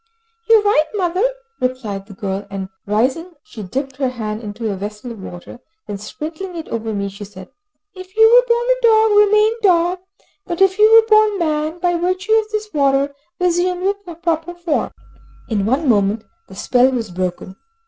"You are right, mother," replied the girl, and rising she dipped her hand into a vessel of water. Then sprinkling it over me she said, "If you were born dog, remain dog; but if you were born man, by virtue of this water resume your proper form." In one moment the spell was broken.